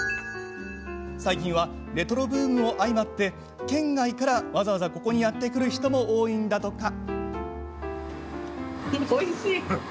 最近は、レトロブームも相まって県外から、わざわざここにやってくる人も多いんだとか。